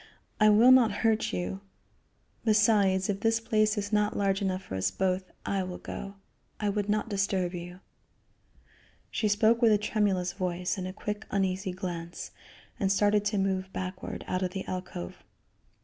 I will not hurt you. Besides, if this place is not large enough for us both, I will go. I would not disturb you." She spoke with a tremulous voice and a quick, uneasy glance, and started to move backward out of the alcove.